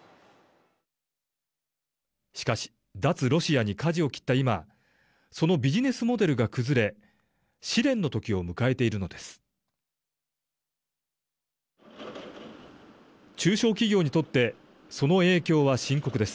しかし脱ロシアにかじを切った今そのビジネスモデルが崩れ試練の時を迎えているのです。